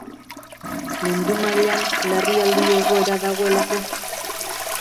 Mundu mailan larrialdi egoera dagoelako?